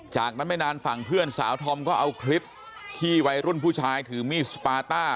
จากนั้นไม่นานฝั่งเพื่อนสาวธอมก็เอาคลิปที่วัยรุ่นผู้ชายถือมีดสปาต้า